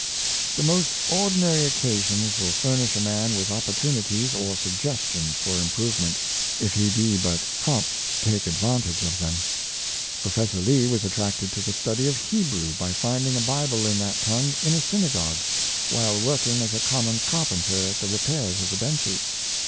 The most ordinary occasions will furnish a man with opportunities or suggestions for improvement, if he be but prompt to take advantage of them. Professor Lee was attracted to the study of Hebrew by finding a Bible in that tongue in a synagogue, while working as a common carpenter at the repairs of the benches.